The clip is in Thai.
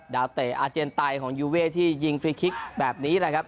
เตะอาเจียนไตของยูเว่ที่ยิงฟรีคลิกแบบนี้แหละครับ